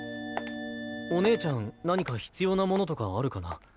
お姉ちゃん何か必要なものとかあるかな？